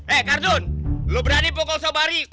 eh kardun lo berani pukul sabari